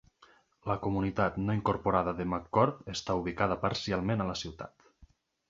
La comunitat no incorporada de McCord està ubicada parcialment a la ciutat.